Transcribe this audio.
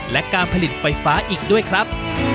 และการผลิตไฟฟ้าอีกด้วยครับ